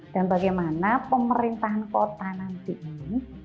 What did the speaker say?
dan bagaimana pemerintahan kota nanti ini